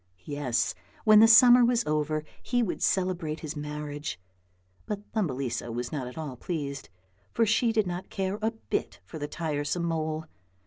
Yes, when the summer was over he would celebrate his marriage; but Thumbelisa was not at all pleased, for she did not care a bit for the tiresome mole.